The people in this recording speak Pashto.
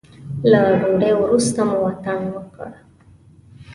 له ډوډۍ وروسته مو اتڼ وکړ.